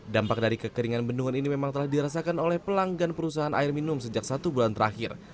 dampak dari kekeringan bendungan ini memang telah dirasakan oleh pelanggan perusahaan air minum sejak satu bulan terakhir